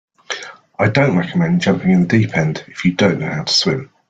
I don't recommend jumping in the deep end if you don't know how to swim.